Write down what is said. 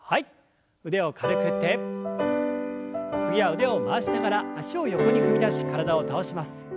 次は腕を回しながら脚を横に踏み出し体を倒します。